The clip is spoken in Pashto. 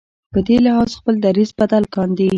په دې لحاظ خپل دریځ بدل کاندي.